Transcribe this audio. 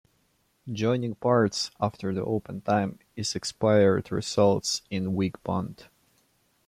Joining parts after the open time is expired results in a weak bond.